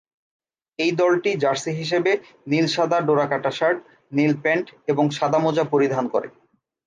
এই দলটি জার্সি হিসেবে নীল-সাদা ডোরাকাটা শার্ট, নীল প্যান্ট এবং সাদা মোজা পরিধান করে।